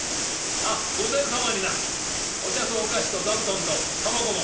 あっ御前様になお茶とお菓子と座布団とタバコも。